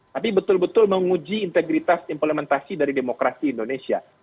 tapi betul betul menguji integritas implementasi dari demokrasi indonesia